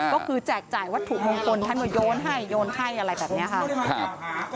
ก็คือแจกจ่ายวัตถุมงคลท่านก็โยนให้โยนให้อะไรแบบนี้ค่ะครับ